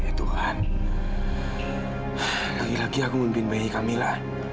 ya tuhan lagi lagi aku memimpin bayi kamila